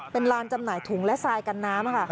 เป็นลานจำหน่ายถุงและทรายกันน้ำค่ะ